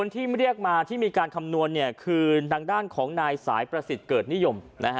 ที่เรียกมาที่มีการคำนวณคือทางด้านของนายสายประสิทธิ์เกิดนิยม